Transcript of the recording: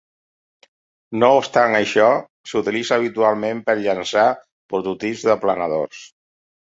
No obstant això, s'utilitza habitualment per llançar prototips de planadors.